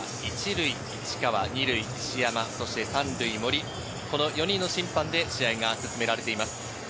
１塁市川、２塁石山、３塁森、この４人の審判で試合が進められています。